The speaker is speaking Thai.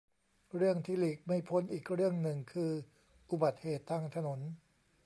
เรื่องที่หลีกไม่พ้นอีกเรื่องหนึ่งคืออุบัติเหตุทางถนน